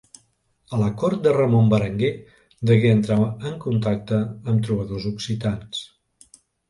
A la cort de Ramon Berenguer degué entrar en contacte amb trobadors occitans.